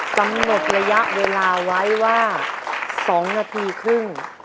กำหนดระยะเวลาไว้ว่า๒นาทีครึ่ง